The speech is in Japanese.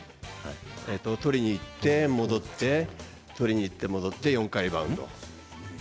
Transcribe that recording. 取りにいって戻って取りにいって戻って４回バウンド。